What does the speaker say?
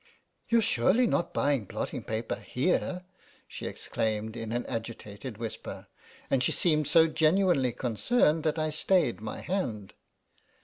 "YouVe surely not buying blotting paper here}'' she exclaimed in an agitated whisper, and she seemed so genuinely concerned that I stayed my hand.